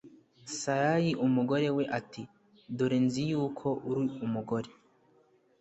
sarayi umugore we ati dore nzi yuko uri umugore